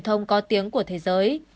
thông có tiếng của thế giới